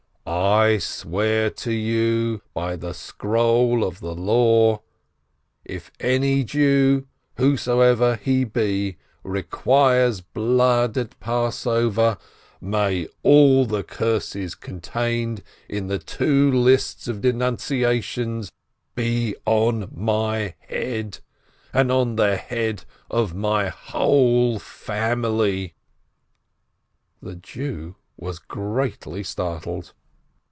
"I swear to you by the scroll of the Law : If any Jew, whosoever he be, requires blood at Passover, may all the curses contained in the two lists of denunciations be on my head, and on the head of my whole family !" The Jew was greatly startled.